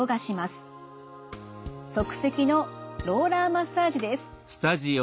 即席のローラーマッサージです。